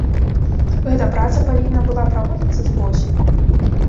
Гэтая праца павінна была праводзіцца з восені.